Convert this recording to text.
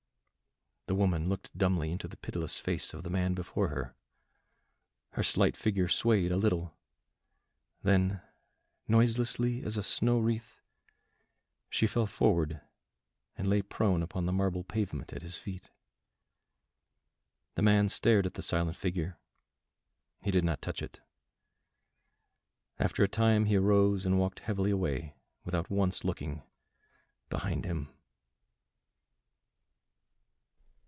The woman looked dumbly into the pitiless face of the man before her; her slight figure swayed a little, then noiselessly as a snow wreath she fell forward and lay prone upon the marble pavement at his feet. The man stared at the silent figure; he did not touch it. After a time he arose and walked heavily away without once looking behind him.